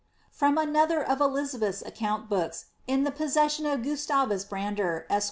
From another of Elizabeth's account books, in possession of Gus tavus Brander, esq.